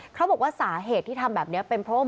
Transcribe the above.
เขาบอกว่าสาเหตุที่ทำแบบนี้เป็นเพราะว่า